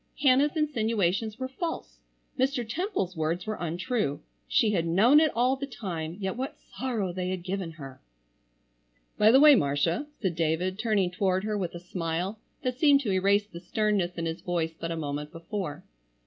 Hannah's insinuations were false. Mr. Temple's words were untrue. She had known it all the time, yet what sorrow they had given her! "By the way, Marcia," said David, turning toward her with a smile that seemed to erase the sternness in his voice but a moment before.